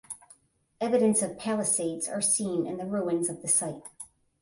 Evidence of palisades are seen in the ruins of the site.